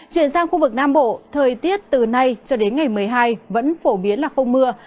chuyển sang khu vực nam bộ thời tiết từ nay cho đến ngày một mươi hai vẫn phổ biến là không mưa